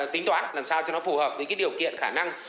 tính toán làm sao cho nó phù hợp với điều kiện khả năng